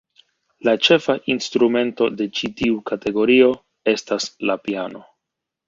La ĉefa instrumento de ĉi tiu kategorio estas la piano.